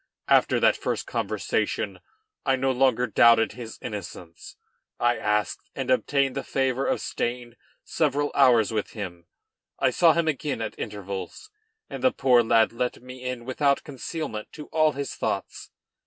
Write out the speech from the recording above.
After that first conversation I no longer doubted his innocence; I asked, and obtained the favor of staying several hours with him. I saw him again at intervals, and the poor lad let me in without concealment to all his thoughts.